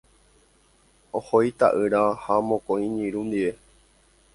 Oho ita'ýra ha mokõi iñirũ ndive.